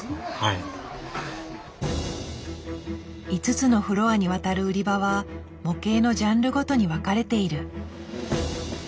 ５つのフロアにわたる売り場は模型のジャンルごとに分かれている。